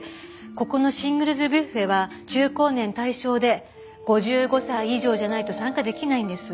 ここのシングルズ・ビュッフェは中高年対象で５５歳以上じゃないと参加出来ないんです。